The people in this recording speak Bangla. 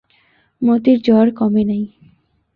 মতির জ্বর কমে নাই।